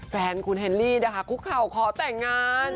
แฟนคุณเฮลลี่นะคะคุกเข่าขอแต่งงาน